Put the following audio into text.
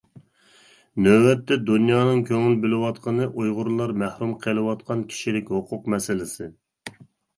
نۆۋەتتە دۇنيانىڭ كۆڭۈل بۆلۈۋاتقىنى ئۇيغۇرلار مەھرۇم قېلىۋاتقان كىشىلىك ھوقۇق مەسىلىسى.